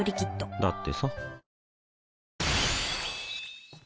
だってさ